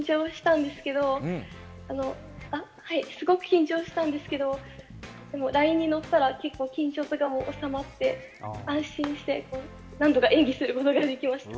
すごく緊張したんですけど、でもラインに乗ったら緊張が収まって、安心して何とか演技することができました。